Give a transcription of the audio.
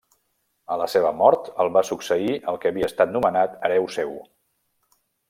A la seva mort el va succeir el que havia estat nomenat hereu seu.